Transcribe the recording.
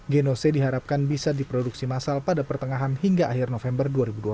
genose diharapkan bisa diproduksi masal pada pertengahan hingga akhir november dua ribu dua puluh